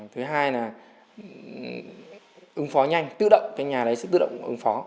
thứ hai là ứng phó nhanh tự động cái nhà đấy sẽ tự động ứng phó